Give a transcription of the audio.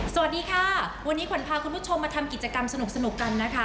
สวัสดีค่ะวันนี้ขวัญพาคุณผู้ชมมาทำกิจกรรมสนุกกันนะคะ